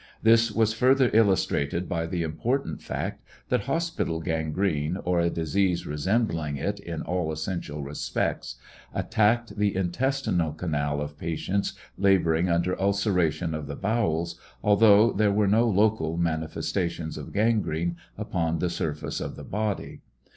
This was further illustrated by the important fact that hospital gangrene, or a disease resembling it in all essential respects, attacked the intestinal canal of patients laboring under ulceration of the bowels, although there were no local manifestations of gangrene upon the surface of the body.